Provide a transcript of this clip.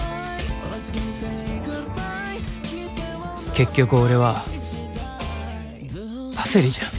結局俺はパセリじゃん。